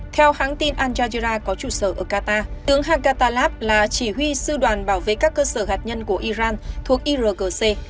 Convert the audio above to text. theo hãng tin al jajira có trụ sở ở qatar tướng haqat tlaib là chỉ huy sư đoàn bảo vệ các cơ sở hạt nhân của iran thuộc irgc